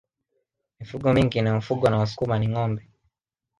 mifugo mingi inayofugwa na wasukuma ni ngombe